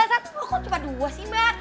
satu kok cuma dua sih mba